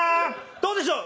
どうでしょう？